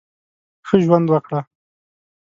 ښه ژوند وکړه !